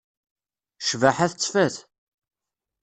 Ccbaḥa tettfat.